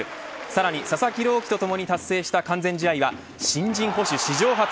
さらに佐々木朗希と共に達成した完全試合は新人捕手史上初。